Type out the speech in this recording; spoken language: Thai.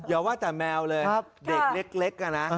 อย่าว่าแต่แมวเลยเด็กเล็กอะนะ